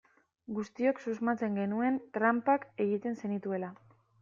Guztiok susmatzen genuen tranpak egiten zenituela.